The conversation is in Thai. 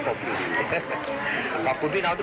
ขอบคุณพี่น้องทุกคนนะครับขอให้มีความสุข